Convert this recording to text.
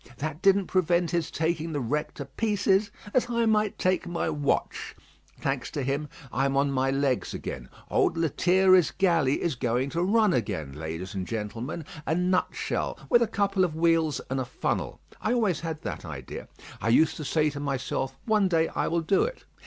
That didn't prevent his taking the wreck to pieces, as I might take my watch. Thanks to him, I am on my legs again. Old 'Lethierry's galley' is going to run again, ladies and gentlemen. A nut shell with a couple of wheels and a funnel. I always had that idea. I used to say to myself, one day I will do it.